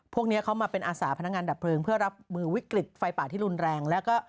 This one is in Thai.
พวกนี้เขามาเป็นอาสาพนักงานดับเพลิงเพื่อรับมือวิกฤตไฟป่าที่รุนแรงแล้วก็